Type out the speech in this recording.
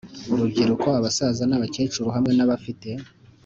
urubyiruko abasaza n abakecuru hamwe n abafite